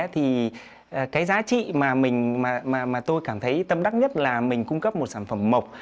thì cái giá trị mà mình cảm thấy tâm đắc nhất là mình cung cấp một sản phẩm mộc